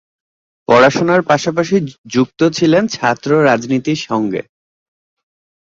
পড়াশোনার পাশাপাশি যুক্ত ছিলেন ছাত্র রাজনীতির সঙ্গে।